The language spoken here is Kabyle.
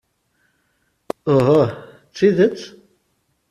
Uhuh! D tidet?